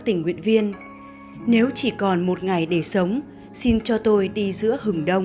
tình nguyện viên nếu chỉ còn một ngày để sống xin cho tôi đi giữa hừng đông